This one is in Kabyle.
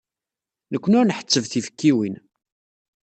Nekkni ur nḥesseb tifekkiwin.